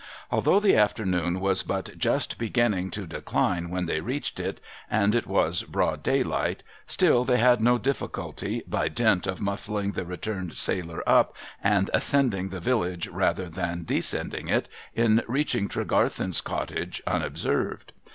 Although the afternoon was but just beginning to decline when they reached it, and it was broad daylight, still they had no difficulty, by dint of muffling the returned sailor up, and ascending the village rather than descending it, in reaching Tregarthen's cottage unobserved.